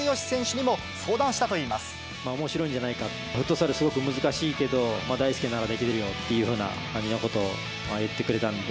おもしろいんじゃないかって、フットサルすごく難しいけど、大輔ならできるよっていうふうな感じのことを言ってくれたので。